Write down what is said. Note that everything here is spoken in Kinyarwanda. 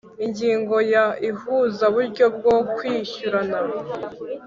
Ingingo ya Ihuzaburyo bwo kwishyurana